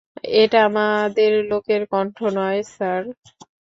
এটা আমাদের লোকের কণ্ঠ নয়, স্যার।